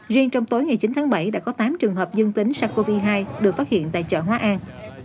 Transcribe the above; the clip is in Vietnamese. riêng trong tối ngày chín tháng bảy đã có tám trường hợp dương tính sars cov hai được phát hiện tại chợ hóa an